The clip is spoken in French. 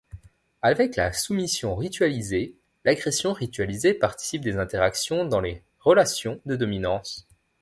Avec la soumission ritualisée, l'agression ritualisée participe des interactions dans les relations de dominance.